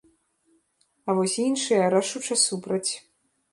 А вось іншыя рашуча супраць.